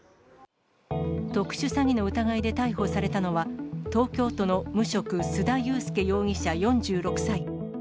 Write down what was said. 特殊詐欺の疑いで逮捕されたのは、東京都の無職、須田祐介容疑者４６歳。